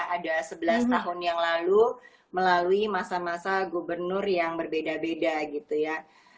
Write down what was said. ada sebelas tahun yang lalu melalui masa masa gubernur yang berbeda beda gitu ya